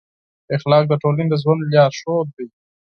اخلاق د ټولنې د ژوند لارښود دي.